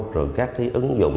rồi các cái ứng dụng